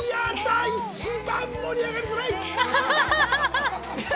一番、盛り上がりづらい。